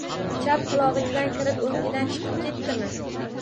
Chap qulog‘ingdan kirib, o‘ngidan chiqib ketdimi?